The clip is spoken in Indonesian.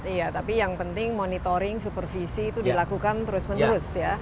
iya tapi yang penting monitoring supervisi itu dilakukan terus menerus ya